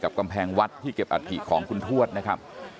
กำแพงวัดที่เก็บอัฐิของคุณทวดนะครับ